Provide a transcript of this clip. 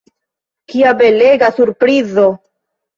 Kia belega surprizo!